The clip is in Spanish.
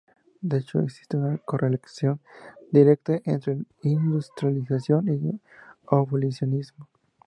De hecho existe una correlación directa entre industrialización y abolicionismo.